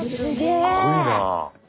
すごいな。